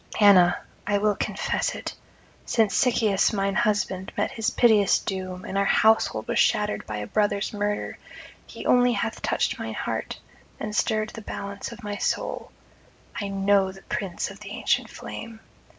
Anna, I will confess it; since Sychaeus mine husband met his piteous doom, and our household was shattered by a brother's murder, he only hath [22 55]touched mine heart and stirred the balance of my soul. I know the prints of the ancient flame.